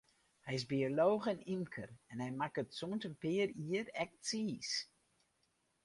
Hy is biolooch en ymker, en hy makket sûnt in pear jier ek tsiis.